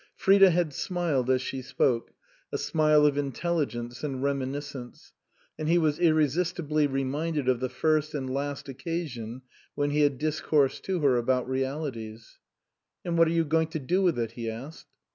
Frida had smiled as she spoke, a smile of in telligence and reminiscence ; and he was irresis tibly reminded of the first and last occasion when he had discoursed to her about realities. u And what are you going to do with it?" he asked.